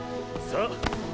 さあ！